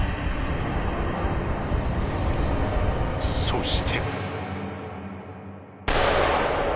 そして。